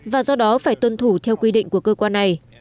và do đó phải tuân thủ theo quy định của cơ quan này